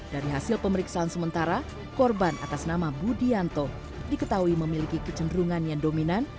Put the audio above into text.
dari hasil pemeriksaan sementara korban atas nama budianto diketahui memiliki kecenderungan yang dominan